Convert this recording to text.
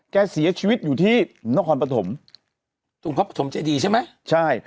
เสียชีวิตอยู่ที่นครปฐมตรงเขาปฐมเจดีใช่ไหมใช่